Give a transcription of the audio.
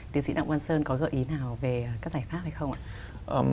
thầy ông quang sơn có gợi ý nào về các giải pháp hay không ạ